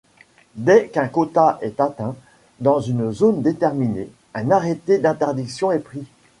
Dès qu'un quota est atteint dans une zone déterminée, un arrêté d'interdiction est pris.